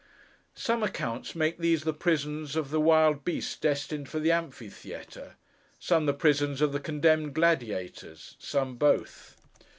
Some accounts make these the prisons of the wild beasts destined for the amphitheatre; some the prisons of the condemned gladiators; some, both.